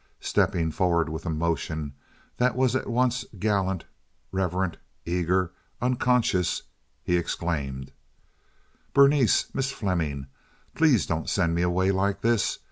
Stepping forward with a motion that was at once gallant, reverent, eager, unconscious, he exclaimed: "Berenice! Miss Fleming! Please don't send me away like this.